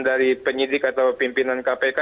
dari penyidik atau pimpinan kpk